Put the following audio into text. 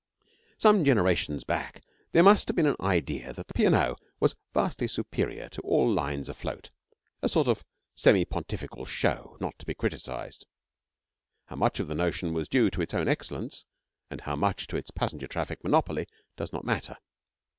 Some generations back there must have been an idea that the P. & O. was vastly superior to all lines afloat a sort of semipontifical show not to be criticised. How much of the notion was due to its own excellence and how much to its passenger traffic monopoly does not matter.